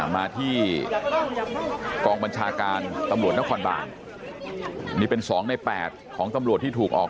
มาที่กองบัญชาการตำรวจนครบานนี่เป็น๒ใน๘ของตำรวจที่ถูกออก